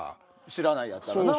『知らない』やったらな。